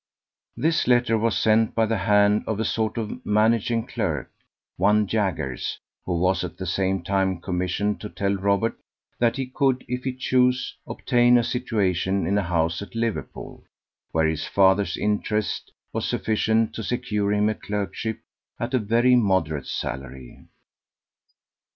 This letter was sent by the hand of a sort of managing clerk, one Jaggers, who was at the same time commissioned to tell Robert that he could, if he chose, obtain a situation in a house at Liverpool, where his father's interest was sufficient to secure him a clerkship at a very moderate salary.